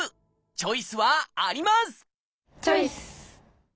チョイス！